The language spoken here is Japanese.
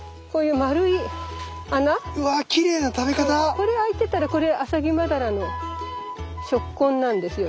これあいてたらこれアサギマダラの食痕なんですよ。